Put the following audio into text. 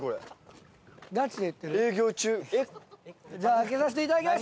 じゃあ開けさせて頂きます。